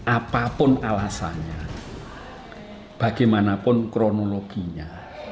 apapun alasannya bagaimanapun kronologinya